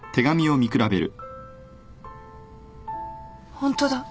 ホントだ。